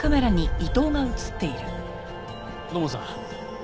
土門さん。